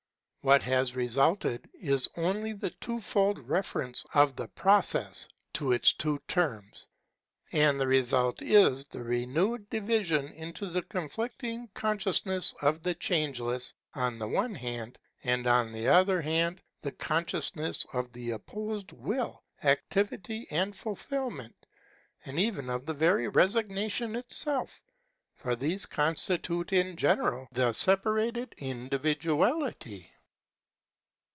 What has resulted is only the two fold reference of the process to its two terms ; and the result is the renewed division into the conflicting consciousness of the Changeless on the one hand, and, on the other hand, the con sciousness of the opposed will, activity, and fulfilment, and even of the very resignation itself ; for these constitute in general the separated individuality.